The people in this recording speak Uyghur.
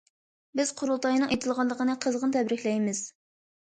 بىز قۇرۇلتاينىڭ ئېچىلغانلىقىنى قىزغىن تەبرىكلەيمىز!